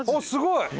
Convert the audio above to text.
すごい！